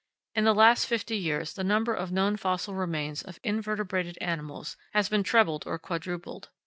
In the last fifty years the number of known fossil remains of invertebrated animals has been trebled or quadrupled.